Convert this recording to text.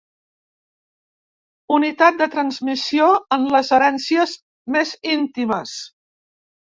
Unitat de transmissió en les herències més íntimes.